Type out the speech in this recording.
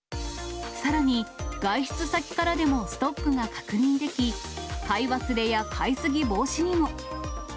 さらに、外出先からでもストックが確認でき、買い忘れや買い過ぎ防止にも。